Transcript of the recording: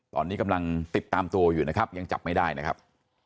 ตอนนี้กำลังติดตามตัวอยู่นะครับยังจับไม่ได้นะครับ